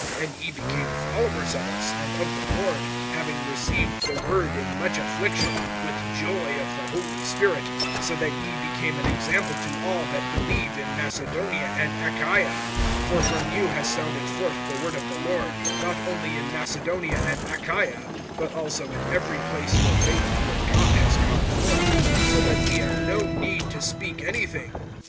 (6)And ye became followers of us, and of the Lord, having received the word in much affliction, with joy of the Holy Spirit; (7)so that ye became an example to all that believe in Macedonia and Achaia. (8)For from you has sounded forth the word of the Lord, not only in Macedonia and Achaia, but also in every place your faith toward God has gone forth; so that we have no need to speak anything.